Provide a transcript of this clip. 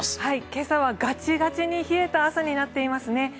今朝はガチガチに冷えた朝になっていますね。